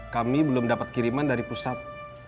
kami belum dapat kiriman dari pusat